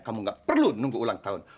kamu gak perlu nunggu ulang tahun